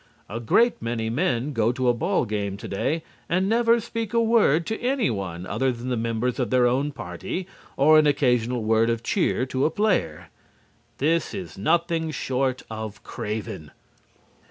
A great many men go to a ball game today and never speak a word to anyone other than the members of their own party or an occasional word of cheer to a player. This is nothing short of craven.